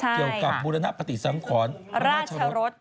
เกี่ยวกับบุรณปฏิสังขรราชรส